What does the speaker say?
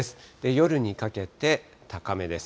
夜にかけて高めです。